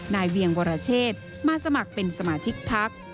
เวียงวรเชษมาสมัครเป็นสมาชิกพัก